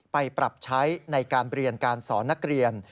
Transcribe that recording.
ไปปรับใช้ในการเรียนการสอนนักเรียน